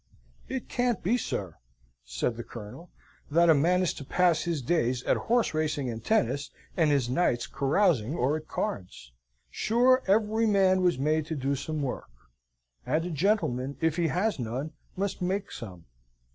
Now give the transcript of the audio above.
"It can't be, sir," said the Colonel, "that a man is to pass his days at horse racing and tennis, and his nights carousing or at cards. Sure, every man was made to do some work: and a gentleman, if he has none, must make some.